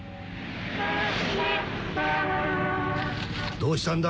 どうしたんだ？